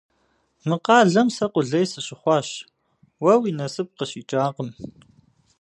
Мы къалэм сэ къулей сыщыхъуащ, уэ уи насып къыщикӏакъым.